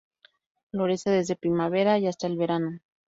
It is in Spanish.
Florece desde primavera y hasta el verano.